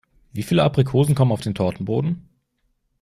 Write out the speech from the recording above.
Wie viele Aprikosen kommen auf den Tortenboden?